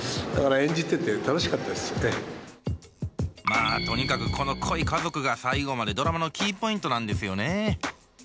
まあとにかくこの濃い家族が最後までドラマのキーポイントなんですよね。